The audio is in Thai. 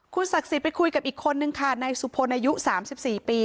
คุณศักดิ์ศรีไปคุยกับอีกคนนึงค่ะในสุโพนอายุ๓๔ปี